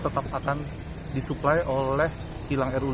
tetap akan disuplai oleh kilang rusu